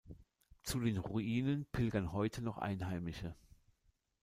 Zu den Ruinen pilgern heute noch Einheimische.